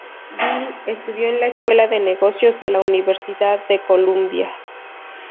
Bill, estudió en la escuela de negocios de la Universidad de Columbia.